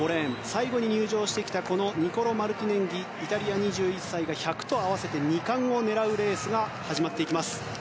最後に入場してきたニコロ・マルティネンギイタリア、２１歳が１００と合わせて２冠を狙うレースが始まっていきます。